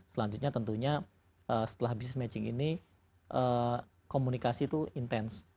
selanjutnya tentunya setelah bisnis matching ini komunikasi itu intens